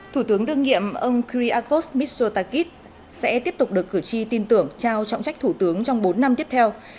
thủ tướng đương nhiệm ông kriakos mitsotakis sẽ tiếp tục được cử tri tin tưởng trao trọng trách thủ tướng trong bốn năm tiếp theo